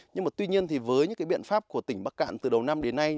nhưng tuy nhiên với những biện pháp của tỉnh bắc cạn từ đầu năm đến nay